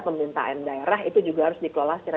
pemerintahan daerah itu juga harus dikelola secara